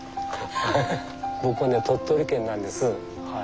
僕ね鳥取県なんですはい。